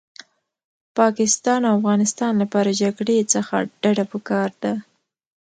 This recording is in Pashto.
پاکستان او افغانستان لپاره جګړې څخه ډډه پکار ده